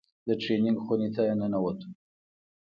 د ټرېننگ خونې ته ننوتو.